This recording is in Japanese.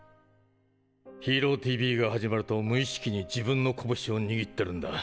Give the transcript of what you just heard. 「ＨＥＲＯＴＶ」が始まると無意識に自分の拳を握ってるんだ。